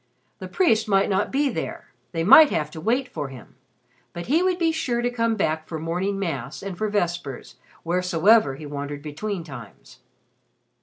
The priest might not be there. They might have to wait for him, but he would be sure to come back for morning Mass and for vespers, wheresoever he wandered between times.